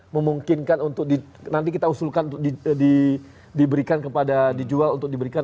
memungkinkan untuk nanti kita usulkan untuk diberikan kepada dijual untuk diberikan